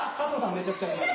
めちゃくちゃうまい。